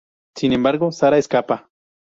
Sin embargo, Sara escapa.